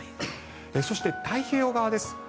そして、太平洋側です。